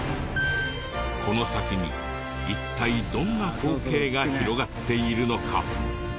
この先に一体どんな光景が広がっているのか？